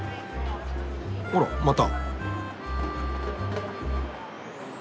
あらまた。